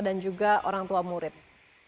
dan juga orang orang di dalam hal ini